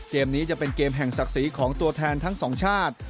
เกมนี้จะเป็นเกมแห่งศักดิ์ศรีของตัวแทนทั้งสองชาติ